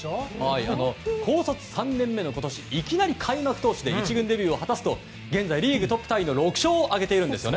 高卒３年目の今年いきなり開幕投手で１軍デビューを果たすと現在リーグトップタイの６勝を挙げているんですよね。